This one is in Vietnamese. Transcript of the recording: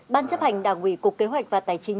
ban chấp hành đảng ủy cục kế hoạch và tài chính